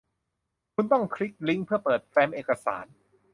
คุณต้องคลิกลิ้งก์เพื่อเปิดแฟ้มเอกสาร